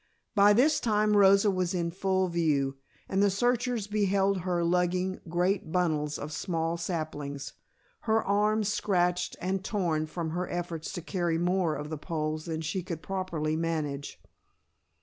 By this time Rosa was in full view, and the searchers beheld her lugging great bundles of young saplings, her arms scratched and torn from her efforts to carry more of the poles than she could properly manage.